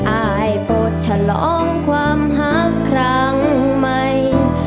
อายโปรดฉลองความรักครั้งใหม่